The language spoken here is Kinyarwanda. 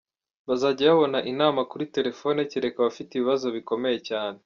Bazajya babona inama kuri telefoni kereka abafite ibibazo bikomeye cyane.